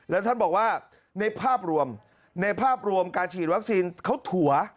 และท่านบอกว่าในภาพรวมการฉีดวัคซีนเขาถั่ว